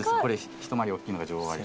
ひと回り大きいのが女王アリ。